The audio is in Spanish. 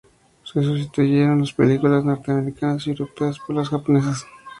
Se sustituyeron las películas norteamericanas y europeas por las japonesas.